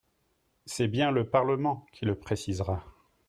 C’est bien le Parlement qui le précisera.